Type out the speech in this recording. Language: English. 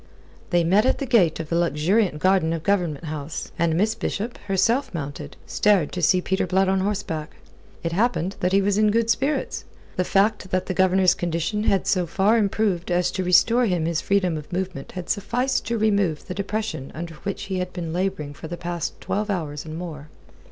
They met at the gate of the luxuriant garden of Government House, and Miss Bishop, herself mounted, stared to see Peter Blood on horseback. It happened that he was in good spirits. The fact that the Governor's condition had so far improved as to restore him his freedom of movement had sufficed to remove the depression under which he had been labouring for the past twelve hours and more.